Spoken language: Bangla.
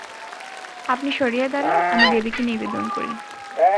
আপনি সরিয়া দাঁড়ান, আমি দেবীকে নিবেদন করি।